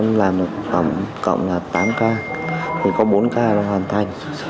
em làm một tổng cộng là tám ca thì có bốn ca là hoàn thành